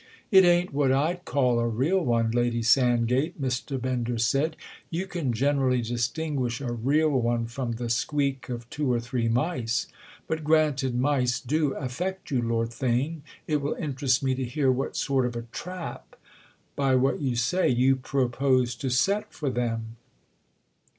"It ain't what I'd call a real one, Lady Sandgate," Mr. Bender said; "you can generally distinguish a real one from the squeak of two or three mice! But granted mice do affect you, Lord Theign, it will interest me to hear what sort of a trap—by what you say—you propose to set for them."